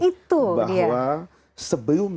itu dia bahwa sebelum